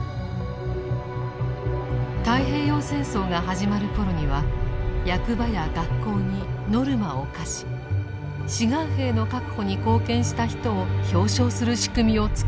太平洋戦争が始まる頃には役場や学校にノルマを課し志願兵の確保に貢献した人を表彰する仕組みを作っていました。